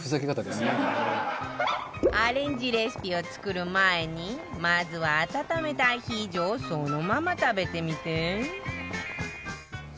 アレンジレシピを作る前にまずは温めたアヒージョをそのまま食べてみて